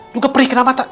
juga perih kena mata